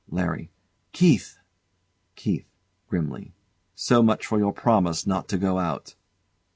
] LARRY. Keith! KEITH. [Grimly] So much for your promise not to go out!